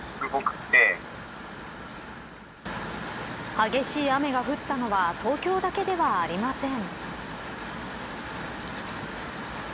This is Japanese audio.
激しい雨が降ったのは東京だけではありません。